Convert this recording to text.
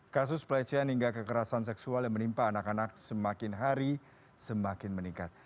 kasus pelecehan hingga kekerasan seksual yang menimpa anak anak semakin hari semakin meningkat